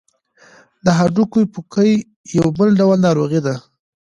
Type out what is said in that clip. د هډوکو پوکی یو بل ډول ناروغي ده.